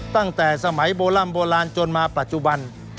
ตั้งแต่สมัยโบร่ำโบราณจนมาปัจจุบัน